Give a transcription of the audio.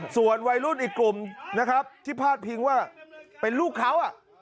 ส่วนวัยรุ่นอีกกลุ่มนะครับที่พาดพิงว่าเป็นลูกเขา